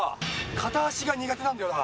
片足が苦手なんだよな。